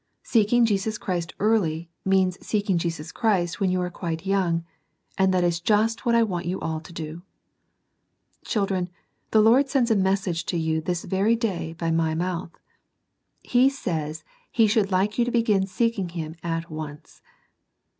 Seeking Jesus Christ early means seeking Jesus Christ when you are quite young, and that is just what I want you all to do. Children, the Lord sends a message to you this very day by my mouth. He says He should like you to begin seeking Him at once.